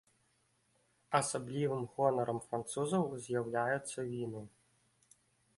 Асаблівым гонарам французаў з'яўляюцца віны.